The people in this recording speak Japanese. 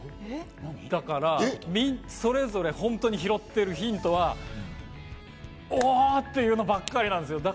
だから、それぞれ本当に拾っているヒントは、お！っていうのばっかりなんです。